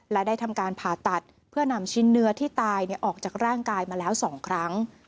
และได้ทำการผ่าตัดเพื่อนำชิ้นเนื้อที่ตายออกจากร่างกายมาแล้ว๒ครั้ง